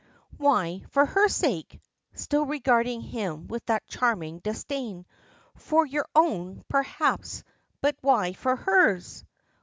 "Why for her sake?" still regarding him with that charming disdain. "For your own, perhaps, but why for hers?"